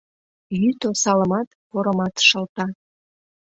Йӱд осалымат, порымат шылта.